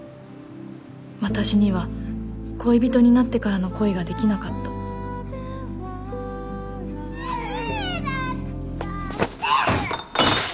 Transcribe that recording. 私には恋人になってからの恋ができなかった・だったって！